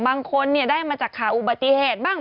บางคนเนี่ยได้มาจากขาอุบัติเหตุบ้าง